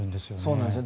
そうなんです。